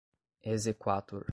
exequatur